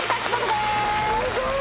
すごーい。